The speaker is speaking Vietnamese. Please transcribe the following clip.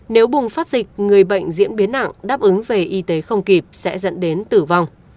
nếu bùng phát dịch người bệnh diễn biến nặng đáp ứng về y tế không kịp sẽ dẫn đến tử vong